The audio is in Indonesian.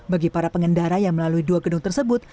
bagi para pengendara yang melalui dua gedung tersebut